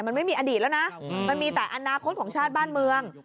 มันไม่มีอดีตแล้วนะมันมีแต่อนาคตของชาติบ้านเมือง